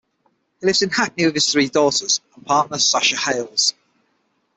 He lives in Hackney with his three daughters and partner Sasha Hails.